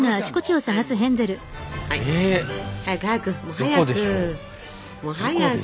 早く早く。